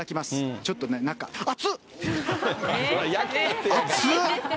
ちょっとね、中、あつ！